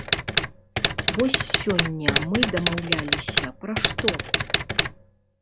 Вось сёння мы дамаўляліся пра што?